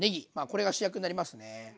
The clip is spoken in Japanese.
これが主役になりますね。